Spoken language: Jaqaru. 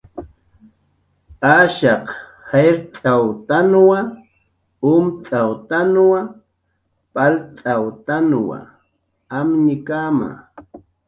Ashaq jayrt'awtanwa, umt'awtanwa, palt'awtanwa amñkama